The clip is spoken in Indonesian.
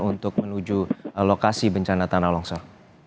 untuk menuju lokasi bencana tanah longsor